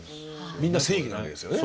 みんな正義なわけですよね？